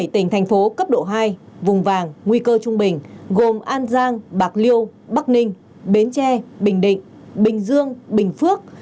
bảy tỉnh thành phố cấp độ hai vùng vàng nguy cơ trung bình gồm an giang bạc liêu bắc ninh bến tre bình định bình dương bình phước